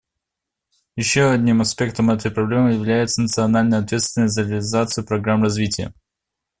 Еще одним аспектом этой проблемы является национальная ответственность за реализацию программ развития.